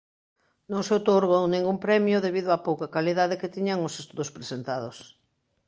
Non se outorgou ningún premio debido á pouca calidade que tiñan os estudos presentados.